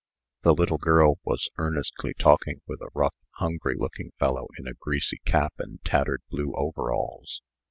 The little girl was earnestly talking with a rough, hungry looking fellow in a greasy cap and tattered blue overalls.